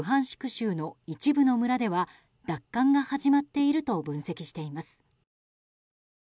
州の一部野村では奪還が始まっていると分析しています。